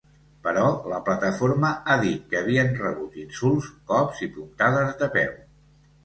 Però la plataforma ha dit que havien rebut insults, cops i puntades de peu.